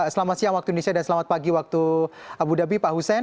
selamat siang waktu indonesia dan selamat pagi waktu abu dhabi pak hussein